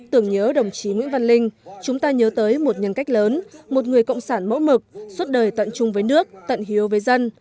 tưởng nhớ đồng chí nguyễn văn linh chúng ta nhớ tới một nhân cách lớn một người cộng sản mẫu mực suốt đời tận chung với nước tận hiếu với dân